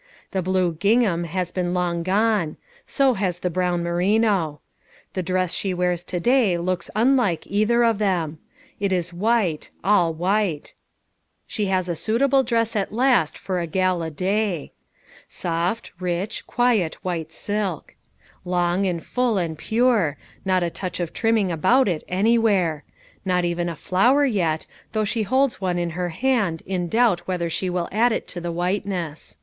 The blue ging ham has been long gone ; so has the brown merino. The dress she wears to day looks un like either of them. It is white, all white ; she 418 NETTIE DECKER HAS A SUITABLE DRESS AT LAST. 419 THE PAST AND PRESENT. 419 has a suitable dress at last for a gala day. Soft, rich, quiet white silk. Long and full and pure ; not a touch of trimming about it anywhere* Not even a flower yet, though she holds one in her hand in doubt whether she will add it to the whiteness.